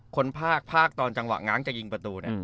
คนภาคภาคตอนจังหวะงางจะยิงประตู